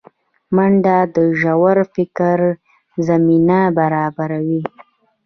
منډه د ژور فکر زمینه برابروي